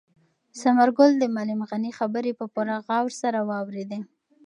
ثمرګل د معلم غني خبرې په پوره غور سره واورېدې.